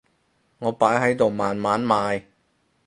我擺喺度慢慢賣